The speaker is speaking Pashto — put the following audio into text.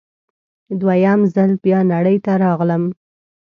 دوه یم ځل بیا نړۍ ته راغلم